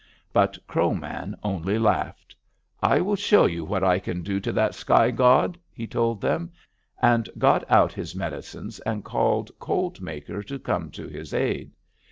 "But Crow Man only laughed: 'I will show you what I can do to that sky god,' he told them, and got out his medicines and called Cold Maker to come to his aid.